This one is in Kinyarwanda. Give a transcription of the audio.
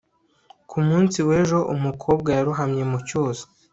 ku munsi w'ejo, umukobwa yarohamye mu cyuzi